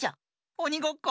おにごっこ？